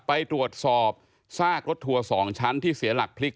ไปตรวจสอบซากรถทัวร์๒ชั้นที่เสียหลักพลิก